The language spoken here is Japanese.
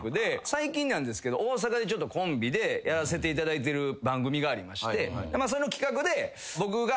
最近なんですけど大阪でコンビでやらせていただいてる番組がありましてその企画で僕が。